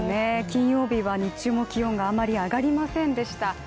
金曜日は日中も気温はあまり上がりませんでした。